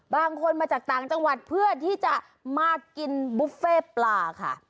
บางคนมาจากต่างจังหวัดเพื่อที่จะมากินบุฟเฟ่ปลาค่ะ